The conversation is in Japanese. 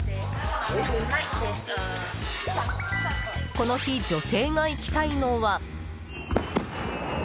この日、女性が行きたいのは。